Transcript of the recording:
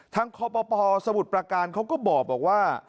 ทั้งพพสมุดประการเขาก็บอกว่า